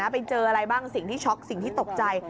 ไปเจออะไรบ้างสิ่งที่ช็อกสิ่งที่ตกใจ